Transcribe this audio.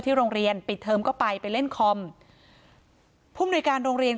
โรงเรียนปิดเทอมก็ไปไปเล่นคอมผู้มนุยการโรงเรียน